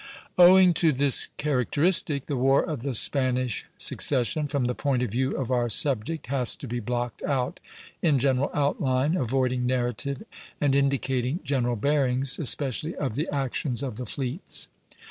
Owing to this characteristic, the War of the Spanish Succession, from the point of view of our subject, has to be blocked out in general outline, avoiding narrative and indicating general bearings, especially of the actions of the fleets.